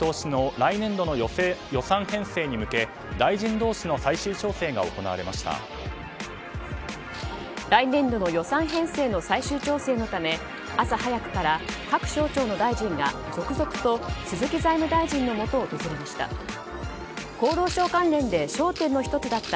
来年度の予算編成の最終調整のため朝早くから、各省庁の大臣が続々と鈴木財務大臣のもとを訪れました。